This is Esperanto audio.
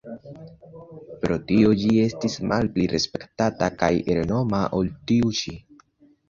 Pro tio ĝi estis malpli respektata kaj renoma ol tiu ĉi.